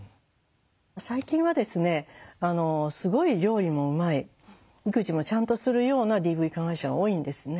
最近はですねすごい料理もうまい育児もちゃんとするようなＤＶ加害者が多いんですね。